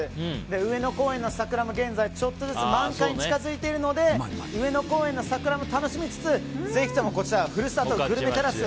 上野公園の桜も現在、ちょっとずつ満開に近づいているので上野公園の桜も楽しみつつぜひともこちらふるさとグルメてらす